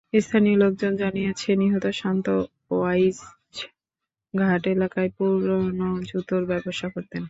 স্থানীয় লোকজন জানিয়েছেন, নিহত শান্ত ওয়াইজঘাট এলাকায় পুরোনো জুতার ব্যবসা করতেন।